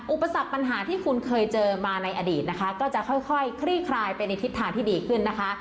อุปสรรคปัญหาที่คุณเคยเจอมาในอดีตนะคะก็จะค่อยคลี่คลายไปในทิศทางที่ดีขึ้นนะคะ